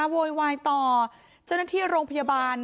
โวยวายต่อเจ้าหน้าที่โรงพยาบาล